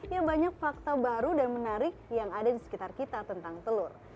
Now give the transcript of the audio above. ya banyak fakta baru dan menarik yang ada di sekitar kita tentang telur